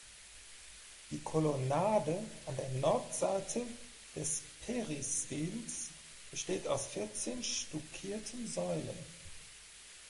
Die Kolonnade an der Nordseite des Peristyls besteht aus vierzehn stuckierten Säulen.